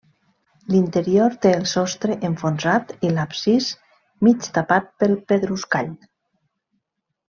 L'interior té el sostre enfonsat i l'absis mig tapat pel pedruscall.